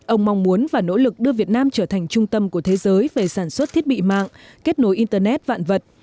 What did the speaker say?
ông mong muốn và nỗ lực đưa việt nam trở thành trung tâm của thế giới về sản xuất thiết bị mạng kết nối internet vạn vật